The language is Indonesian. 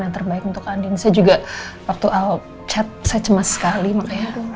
yang terbaik untuk fucked up